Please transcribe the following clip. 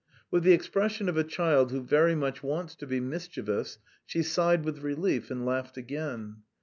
With the expression of a child who very much wants to be mischievous, she sighed with relief and laughed again.